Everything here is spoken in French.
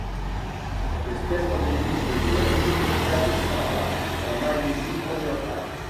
Cette espèce est endémique de l'Ouest de l'État de Sabah en Malaisie orientale.